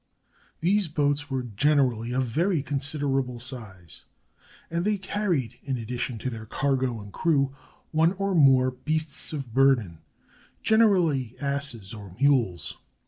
These boats were generally of very considerable size, 512 THE FALL OF BABYLON and they carried, in addition to their cargo and crew, one or more beasts of burden — generally asses or mules.